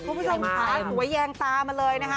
คุณผู้ชมขาหัวแยงตามาเลยนะคะ